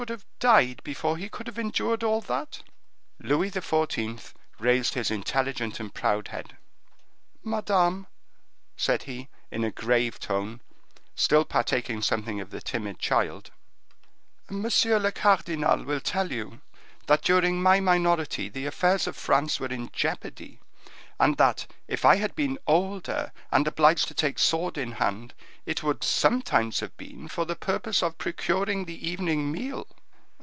would have died before he could have endured all that." Louis XIV. raised his intelligent and proud head. "Madame," said he, in a grave tone, still partaking something of the timid child, "monsieur le cardinal will tell you that during my minority the affairs of France were in jeopardy,—and that if I had been older, and obliged to take sword in hand, it would sometimes have been for the purpose of procuring the evening meal."